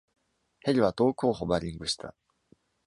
ヘリは遠くをホバリングした。